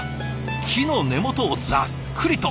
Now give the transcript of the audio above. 木の根元をざっくりと。